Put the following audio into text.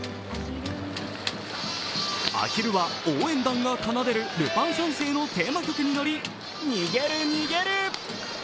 アヒルは応援団が奏でる「ルパン三世」のテーマ曲に乗り逃げる、逃げる。